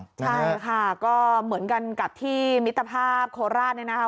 ใช่ค่ะก็เหมือนกันกับที่มิตรภาพโคราชเนี่ยนะคะ